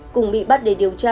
cùng bị bắt để điều tra